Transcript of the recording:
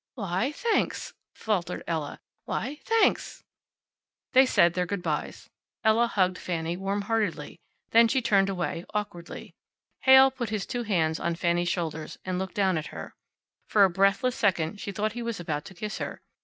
"Why thanks," faltered Ella. "Why thanks." They said their good bys. Ella hugged Fanny warm heartedly. Then she turned away, awkwardly. Heyl put his two hands on Fanny's shoulders and looked down at her. For a breathless second she thought he was about to kiss her.